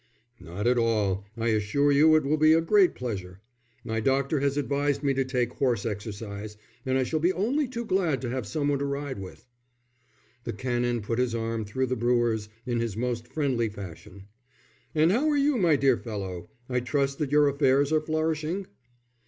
"Not at all; I assure you it will be a great pleasure. My doctor has advised me to take horse exercise, and I shall be only too glad to have some one to ride with." The Canon put his arm through the brewer's in his most friendly fashion. "And how are you, my dear fellow? I trust that your affairs are flourishing."